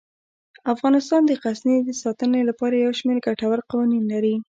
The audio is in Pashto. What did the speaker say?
افغانستان د غزني د ساتنې لپاره یو شمیر ګټور قوانین لري.